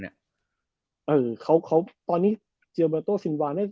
เนี้ยเออเขาเขาตอนนี้จีลปาโตซินวาเนี้ย